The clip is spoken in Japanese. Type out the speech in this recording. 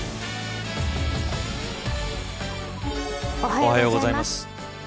おはようございます。